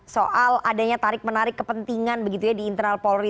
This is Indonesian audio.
soal adanya tarik menarik kepentingan di internal polri